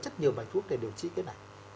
rất nhiều bài thuốc để điều trị cái này